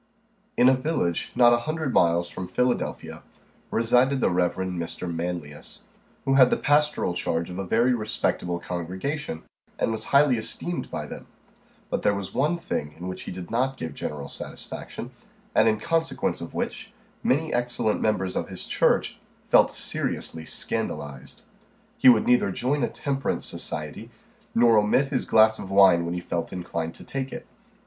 IN a village not a hundred miles from Philadelphia, resided the Rev. Mr. Manlius, who had the pastoral charge of a very respectable congregation, and was highly esteemed by them; but there was one thing in which he did not give general satisfaction, and in consequence of which many excellent members of his church felt seriously scandalized. He would neither join a temperance society, nor omit his glass of wine when he felt inclined to take it.